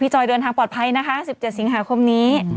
จอยเดินทางปลอดภัยนะคะ๑๗สิงหาคมนี้